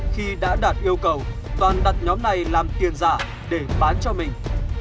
khi đã đạt yêu cầu toàn đặt nhóm này làm tiền giả để bán cho mình